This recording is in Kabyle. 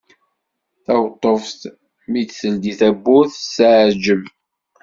Taweṭṭuft mi d-teldi tawwurt tettɛeǧǧeb.